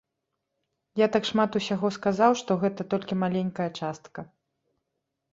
Я так шмат усяго сказаў, што гэта толькі маленькая частка.